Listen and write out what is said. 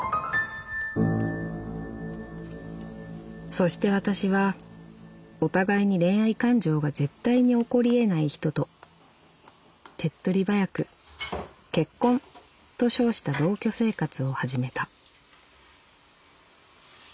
「そして私はお互いに恋愛感情が絶対に起こりえない人と手っ取り早く『結婚』と称した同居生活を始めた」。